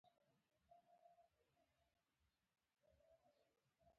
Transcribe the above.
زه د جملو په سمه لیکنه ویاړم.